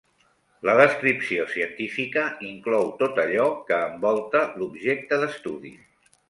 La descripció científica inclou tot allò que envolta l'objecte d'estudi.